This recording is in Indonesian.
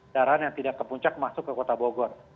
daran yang tidak ke puncak masuk ke kota bogor